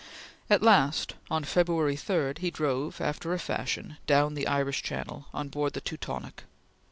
At last, on February 3, he drove, after a fashion, down the Irish Channel, on board the Teutonic.